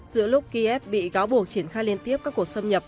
giữa lúc kiev bị cáo buộc triển khai liên tiếp các cuộc xâm nhập